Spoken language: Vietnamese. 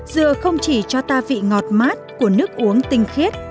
dừa không chỉ cho ta vị ngọt mát của nước uống tinh khiết